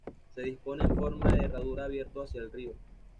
Se dispone en forma de herradura abierto hacia el río.